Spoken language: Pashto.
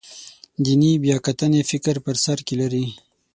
دیني بیاکتنې فکر په سر کې لري.